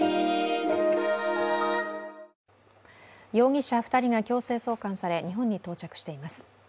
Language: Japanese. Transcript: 容疑者２人が強制送還され日本に到着しています。